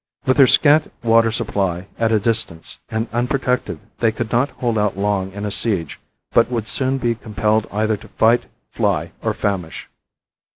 With their scant water supply at a distance and unprotected they could not hold out long in a siege, but would soon be compelled either to fight, fly or famish.